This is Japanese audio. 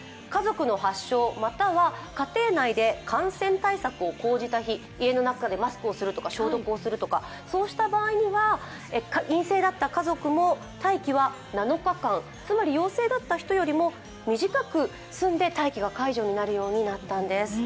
家族の発症または家庭内で感染対策を講じた日家の中でマスクをするとか消毒をするとか、そうした場合には陰性だった家族も待機は７日間、つまり陽性だった人よりも短く済んで待機が解除されるようになったんです。